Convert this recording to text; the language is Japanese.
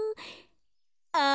あ。